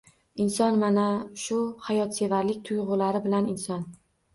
Inson mana shu hayotsevarlik tuygʻulari bilan inson.